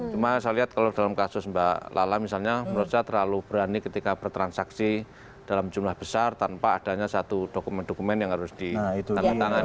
cuma saya lihat kalau dalam kasus mbak lala misalnya menurut saya terlalu berani ketika bertransaksi dalam jumlah besar tanpa adanya satu dokumen dokumen yang harus ditandatangani